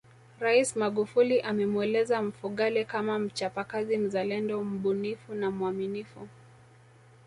Rais Magufuli amemweleza Mfugale kama mchapakazi mzalendo mbunifu na mwaminifu